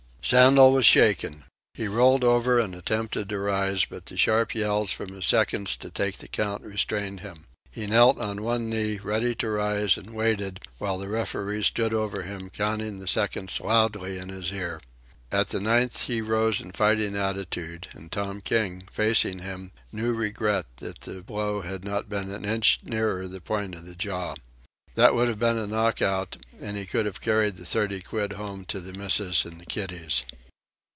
Sandel was shaken. He rolled over and attempted to rise, but the sharp yells from his seconds to take the count restrained him. He knelt on one knee, ready to rise, and waited, while the referee stood over him, counting the seconds loudly in his ear. At the ninth he rose in fighting attitude, and Tom King, facing him, knew regret that the blow had not been an inch nearer the point of the jaw. That would have been a knock out, and he could have carried the thirty quid home to the missus and the kiddies.